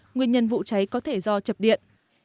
nguyên nhân vụ cháy có thể do chập điện